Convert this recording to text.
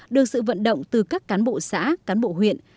được sự vận động từ các cán bộ xã cán bộ huyện